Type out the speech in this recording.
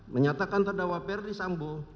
menyatakan terdakwa perdisambo